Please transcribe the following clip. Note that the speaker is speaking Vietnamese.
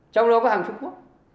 trong đó có hàng trung quốc